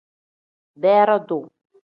Beredu.